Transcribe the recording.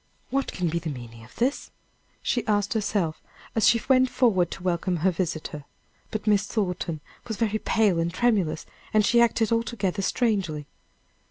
"What can be the meaning of this?" she asked herself, as she went forward to welcome her visitor. But Miss Thornton was very pale and tremulous, and she acted altogether strangely.